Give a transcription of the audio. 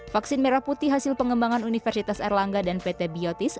vaksin merah putih hasil pengembangan universitas erlangga dan pt biotis